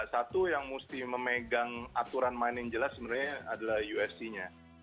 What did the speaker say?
satu yang mesti memegang aturan main yang jelas sebenarnya adalah usg nya